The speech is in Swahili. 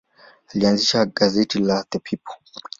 Alianzisha gazeti la The People.